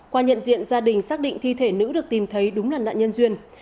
qua nhận diện gia đình xác định thi thể nữ được tìm thấy đúng là nạn nhân duyên